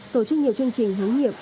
tổ chức nhiều chương trình hướng nghiệp